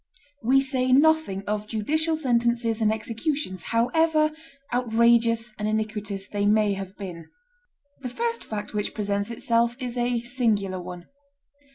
We say nothing of judicial sentences and executions, however outrageous and iniquitous they may have been. The first fact which presents itself is a singular one.